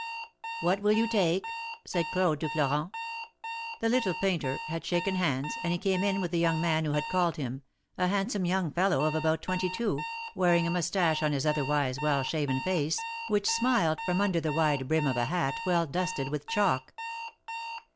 '^What will you take?" said Claude to Florent. The little painter had shaken hands, and he came in with the young man who had called him — a handsome young fellow of about twenty two, wearing a moustache on his other wise well shaven face, which smiled from under the wide brim of a hat well dusted with chalk.